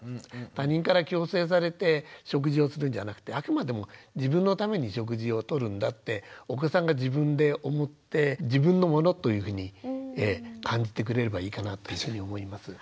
他人から強制されて食事をするんじゃなくてあくまでも自分のために食事をとるんだってお子さんが自分で思って自分のものというふうに感じてくれればいいかなと思います。